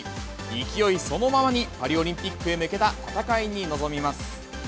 勢いそのままに、パリオリンピックへ向けた戦いに臨みます。